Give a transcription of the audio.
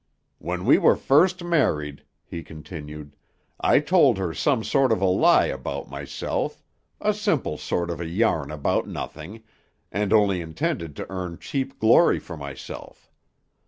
"When we were first married," he continued, "I told her some sort of a lie about myself; a simple sort of a yarn about nothing, and only intended to earn cheap glory for myself.